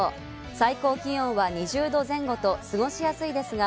最高気温は２０度前後と過ごしやすいですが、